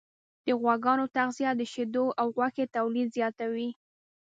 د غواګانو تغذیه د شیدو او غوښې تولید زیاتوي.